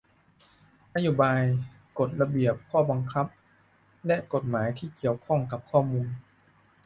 นโยบาย กฎ ระเบียบ ข้อบังคับ และกฎหมายที่เกี่ยวข้องกับข้อมูล